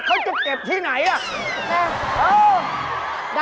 เก็บกด